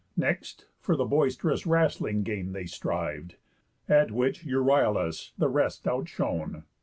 Next, for the boist'rous wrastling game they striv'd; At which Euryalus the rest outshone.